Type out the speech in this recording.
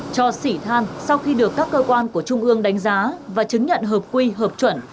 cho xỉ than sau khi được các cơ quan của trung ương đánh giá và chứng nhận hợp quy hợp chuẩn